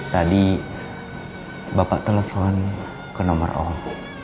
tadi bapak telepon ke nomer om